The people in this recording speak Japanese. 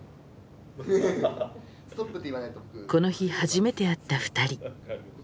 この日初めて会った２人。